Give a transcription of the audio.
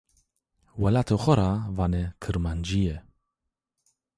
Welatê xo ra vanê "Kirmancîye"